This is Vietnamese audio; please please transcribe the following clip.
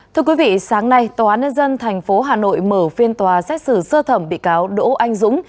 thưa quý vị sáng nay tòa án nhân dân tp hà nội mở phiên tòa xét xử sơ thẩm bị cáo đỗ anh dũng